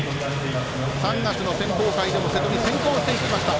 ３月の選考会でも瀬戸を先行していきました。